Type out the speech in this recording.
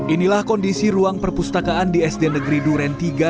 inilah kondisi ruang perpustakaan di sd negeri duren tiga